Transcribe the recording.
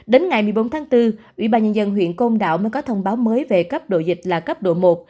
đến ngày một mươi bốn tháng bốn ubnd huyện côn đảo mới có thông báo mới về cấp độ dịch là cấp độ một